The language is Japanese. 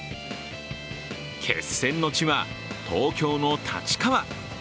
決戦の地は、東京の立川。